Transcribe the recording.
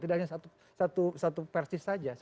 tidak hanya satu persis saja